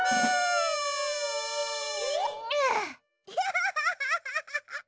ハハハハハッ！